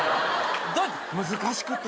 難しくて。